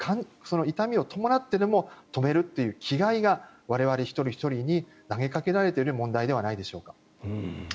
痛みを伴ってでも止めるという気概が我々一人ひとりに投げかけられている問題ではないでしょうか。